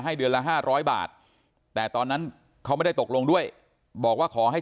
เดือนละ๕๐๐บาทแต่ตอนนั้นเขาไม่ได้ตกลงด้วยบอกว่าขอให้